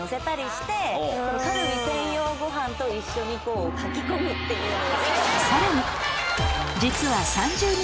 カルビ専用ごはんと一緒にかきこむっていうのを。